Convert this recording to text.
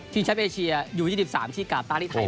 แชมป์เอเชียอยู่๒๓ที่กาต้าที่ไทย